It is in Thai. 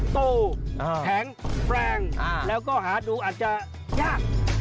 โตแข็งแรงแล้วก็หาดูอาจจะยาก